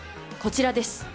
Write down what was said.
こちらです。